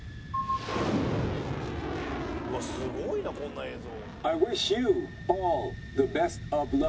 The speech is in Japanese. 「うわっすごいなこんな映像」